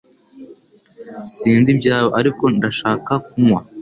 Sinzi ibyawe, ariko ndashaka kunywa.